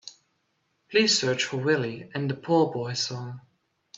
Please search for Willy and the Poor Boys song.